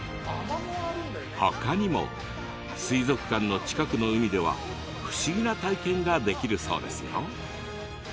ほかにも水族館の近くの海では不思議な体験ができるそうですよ。